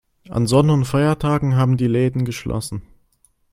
An Sonn- und Feiertagen haben die Läden geschlossen.